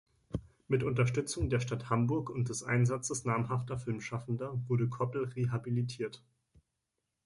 Mit Unterstützung der Stadt Hamburg und des Einsatzes namhafter Filmschaffender wurde Koppel rehabilitiert.